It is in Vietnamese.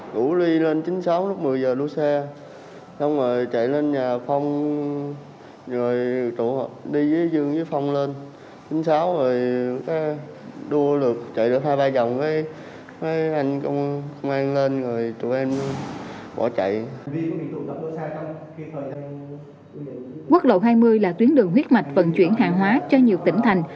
quốc lộ hai mươi là tuyến đường huyết mạch vận chuyển hàng hóa cho nhiều tỉnh thành